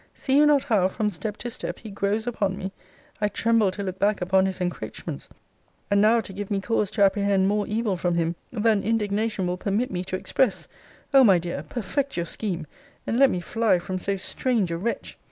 See you not how, from step to step, he grows upon me? I tremble to look back upon his encroachments. And now to give me cause to apprehend more evil from him, than indignation will permit me to express! O my dear, perfect your scheme, and let me fly from so strange a wretch!